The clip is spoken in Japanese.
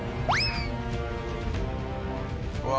うわ。